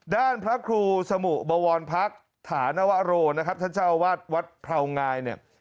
ด้านพระครูสมุบวรพักษ์ฐานวโรนะครับท่านเจ้าวาดวัดเภางายเนี่ย